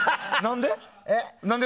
何で？